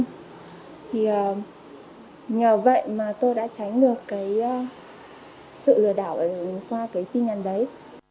thì nhờ vậy mà tôi đã tránh được cái sự lừa đảo qua cái tin nhắn đấy